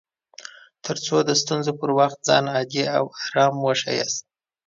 تر څو د ستونزو پر وخت ځان عادي او ارام وښياست